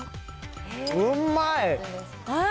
うんまい！